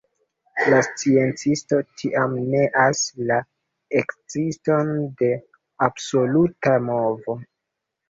La sciencisto tiam neas la ekziston de absoluta movo.